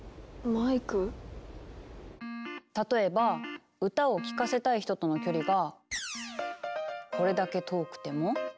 例えば歌を聞かせたい人との距離がこれだけ遠くても。